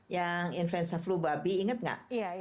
yang influenza flu babi ingat nggak